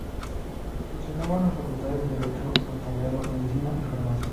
Funcionaban las Facultades de Derecho, Notariado, Medicina y Farmacia.